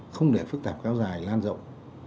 không để phức tạp cao dài lan rộng